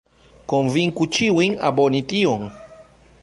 Konvinku ĉiujn aboni tion